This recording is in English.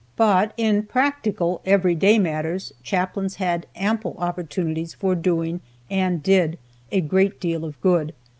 But in practical, everyday matters, chaplains had ample opportunities for doing, and did, a great deal of good.